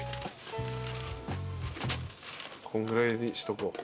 こんぐらいにしとこう。